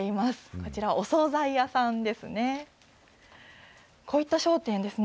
こちら、お総菜屋さんですね。